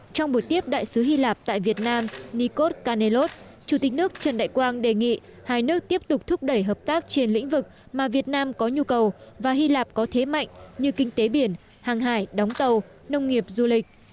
trong buổi tiếp đại sứ hy lạp tại việt nam nikos canellos chủ tịch nước trần đại quang đề nghị hai nước tiếp tục thúc đẩy hợp tác trên lĩnh vực mà việt nam có nhu cầu và hy lạp có thế mạnh như kinh tế biển hàng hải đóng tàu nông nghiệp du lịch